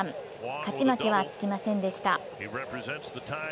勝ち負けはつきませんでした。